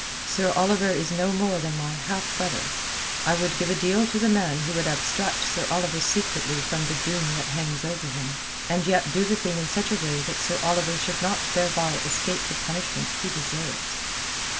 Sir Oliver is no more than my half brother. I would give a deal to the man who would abstract Sir Oliver secretly from the doom that hangs over him, and yet do the thing in such a way that Sir Oliver should not thereby escape the punishment he deserves."